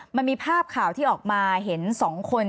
มันมีภาพข่าวที่ออกมาเห็น๒คน